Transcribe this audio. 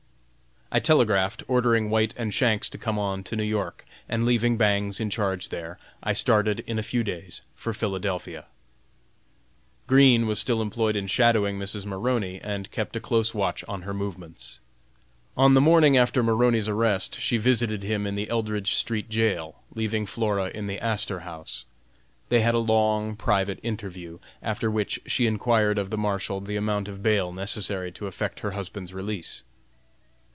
I telegraphed, ordering White and Shanks to come on to New York, and, leaving Bangs in charge there, I started in a few days for Philadelphia. Green was still employed in "shadowing" Mrs. Maroney, and kept a close watch on her movements. On the morning after Maroney's arrest she visited him in the Eldridge street jail, leaving Flora in the Astor House. They had a long, private interview, after which she enquired of the Marshal the amount of bail necessary to effect her husband's release.